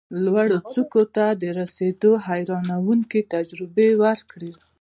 لوړو څوکو ته د رسېدو حیرانوونکې تجربې وکړې،